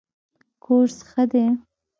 کورس ښه دی.